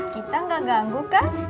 kita tidak mengganggu kak